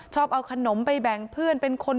ชอบเอาขนมไปแบ่งเพื่อน